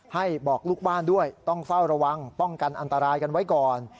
ให้บอกลูกบ้านด้วยต้องเฝ้าระวังป้องกันอันตรายกันไว้ก่อน